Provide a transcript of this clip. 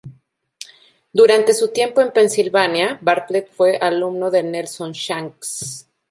Durante su tiempo en Pensilvania, Bartlett fue alumno de Nelson Shanks.